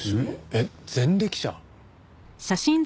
えっ前歴者？